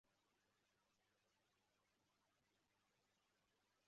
Umwana ufunze amaso afashe igikinisho cyimbaho araruma